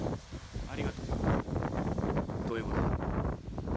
ありがとう。ということだ。